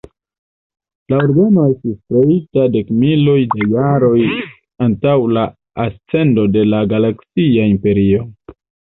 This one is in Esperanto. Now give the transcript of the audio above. La ordeno estis kreita dekmiloj da jaroj antaŭ la ascendo de la Galaksia Imperio.